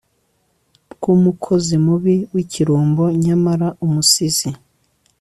rw'umukozi mubi w'ikirumbo nyamaraumusizi